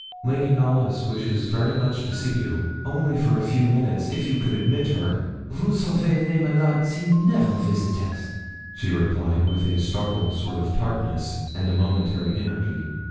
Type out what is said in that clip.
'Lady Knollys wishes very much to see you, only for a few minutes, if you could admit her.' 'Vous savez les malades see never visitors,' she replied with a startled sort of tartness, and a momentary energy.